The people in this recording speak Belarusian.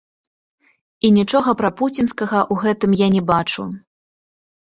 І нічога прапуцінскага ў гэтым я не бачу.